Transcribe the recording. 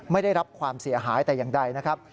ไม่ได้รับความเสียหายแต่อย่างใดนะครับ